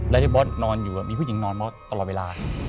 แล้วที่บอสนอนอยู่มีผู้หญิงนอนมอสตลอดเวลา